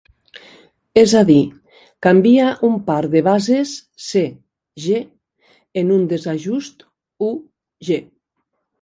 És a dir, canvia un par de bases C:G en un desajust U:G.